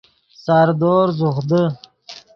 ساردور زوخ دے